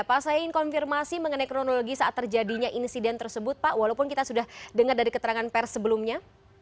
pak saya ingin konfirmasi mengenai kronologi saat terjadinya insiden tersebut pak walaupun kita sudah dengar dari keterangan pers sebelumnya